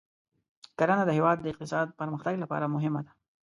کرنه د هېواد د اقتصادي پرمختګ لپاره مهمه ده.